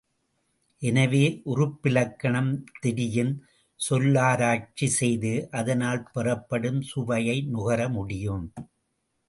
எனவே, உறுப்பிலக்கணம் தெரியின், சொல்லாராய்ச்சி செய்து, அதனால் பெறப்படும் சுவையை நுகர முடியும்.